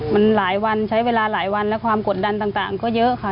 มันหลายวันใช้เวลาหลายวันและความกดดันต่างก็เยอะค่ะ